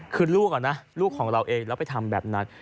คือลูกอ่ะนะลูกของเราเองแล้วไปทำแบบนั้น